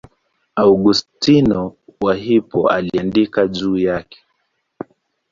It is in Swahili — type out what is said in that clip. Augustino wa Hippo aliandika juu yake.